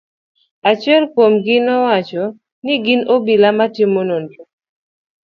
Achiel kuom gi nowacho ni gin obila ma timo nonro.